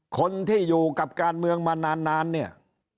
คนที่อยู่กับการเมืองมานานเนี่ย